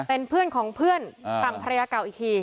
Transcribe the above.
เป็นเพื่อนของเพื่อนฝั่งภรรยาเก่าอีกที